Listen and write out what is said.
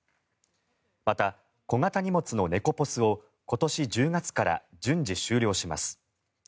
また、小型荷物のネコポスを今年１０月から順次終了します。